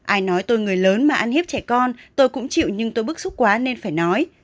ai nói tôi người lớn mà ăn hiếp trẻ con tôi cũng chịu nhưng tôi bức xúc quá nên phải nói